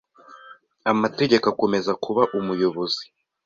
Amategeko akomeza kuba umuyobozi